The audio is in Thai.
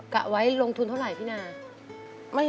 กะไว้ลงทุนเท่าไหร่พี่นา